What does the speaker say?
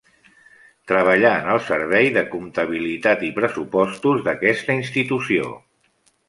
Treballà en el servei de Comptabilitat i Pressupostos d'aquesta institució.